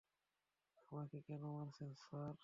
আমাকে কেন মারছেন, স্যার?